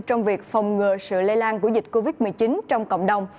trong việc phòng ngừa sự lây lan của dịch covid một mươi chín trong cộng đồng